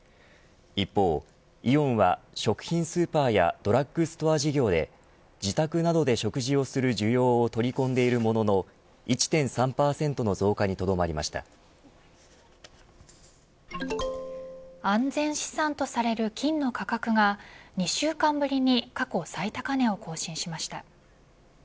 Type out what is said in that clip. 一方、イオンは食品スーパーやドラッグストア事業で自宅などで食事をする需要を取り込んでいるものの１．３％の増加に安全資産とされる金の価格が２週間ぶりに過去最高値を更新しました。